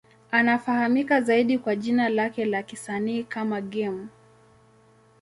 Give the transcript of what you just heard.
Anafahamika zaidi kwa jina lake la kisanii kama Game.